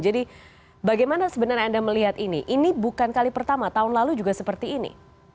jadi bagaimana sebenarnya anda melihat ini ini bukan kali pertama tahun lalu juga seperti ini